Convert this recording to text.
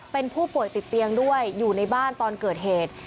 เป็นผู้ป่วยติดเตียงด้วยอยู่ในบ้านตอนเกิดเหตุ